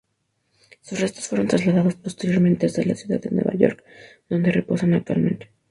Sus restos fueron trasladados posteriormente hasta la ciudad de Nueva York, donde reposan actualmente.